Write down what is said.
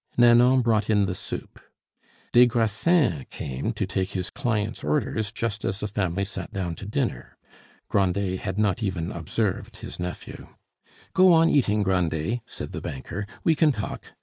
Nanon brought in the soup. Des Grassins came to take his client's orders just as the family sat down to dinner. Grandet had not even observed his nephew. "Go on eating, Grandet," said the banker; "we can talk.